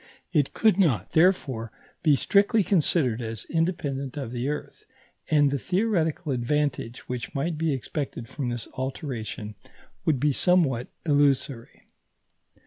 It could not, therefore, be strictly considered as independent of the earth; and the theoretical advantage which might be expected from this alteration would be somewhat illusory.